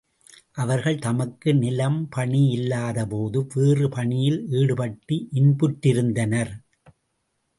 அவர்கள் தமக்கு நிலம் பணி இல்லாதபோது, வேறு பணியில் ஈடுபட்டு இன்புற்றிருந்தனர்.